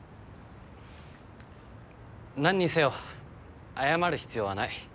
なんにせよ謝る必要はない。